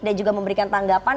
dan juga memberikan tanggapan